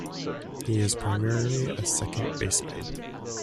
He is primarily a second baseman.